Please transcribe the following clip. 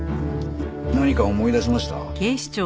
何か思い出しました？